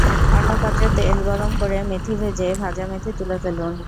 অন্য পাত্রে তেল গরম করে মেথি ভেজে ভাজা মেথি তুলে ফেলুন।